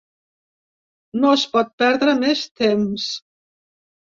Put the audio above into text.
No es pot perdre més temps.